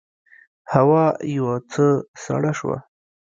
هوا یو څه سړه شوه.